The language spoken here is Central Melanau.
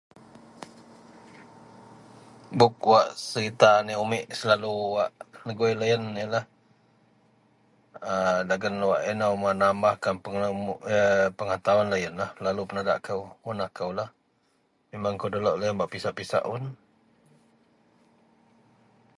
Buk wak serita anek umit selalu wak negoi loyen. ienlah a dagen wak ino menamah pengetahuan loyen selalu penadak kou mun akou memenglah da lok bak pisak-pisak un.